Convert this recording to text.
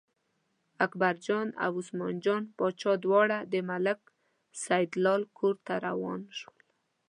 اکبرجان او عثمان جان باچا دواړه د ملک سیدلال کور ته روان شول.